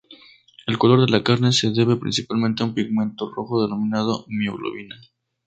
El color de la carne se debe principalmente a un pigmento rojo denominado mioglobina.